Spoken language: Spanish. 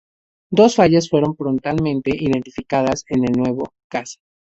Dos fallas fueron prontamente identificadas en el nuevo caza.